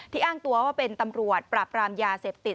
อ้างตัวว่าเป็นตำรวจปราบรามยาเสพติด